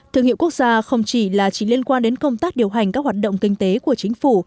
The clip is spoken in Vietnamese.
thương hiệu quốc gia không chỉ là chỉ liên quan đến công tác điều hành các hoạt động kinh tế của chính phủ